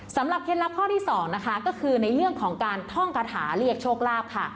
เคล็ดลับข้อที่๒นะคะก็คือในเรื่องของการท่องกระถาเรียกโชคลาภค่ะ